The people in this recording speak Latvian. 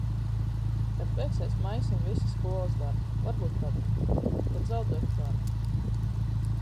Kad beigsies maijs un visi skolas darbi, varbūt tad. Kad zaudēšu darbu.